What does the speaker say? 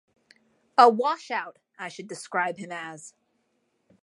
A washout, I should describe him as.